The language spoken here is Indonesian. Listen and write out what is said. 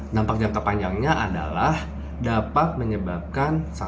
dampak jangka panjangnya adalah dapat menyebabkan